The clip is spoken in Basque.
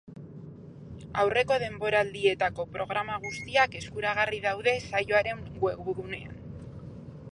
Aurreko denboraldietako programa guztiak eskuragarri daude saioaren webgunean.